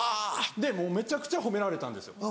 でもうめちゃくちゃ褒められたんですよ。